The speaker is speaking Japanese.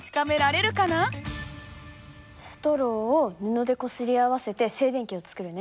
ストローを布でこすり合わせて静電気を作るね。